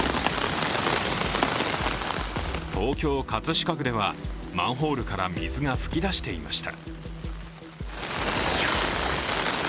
東京・葛飾区ではマンホールから水が噴き出していました。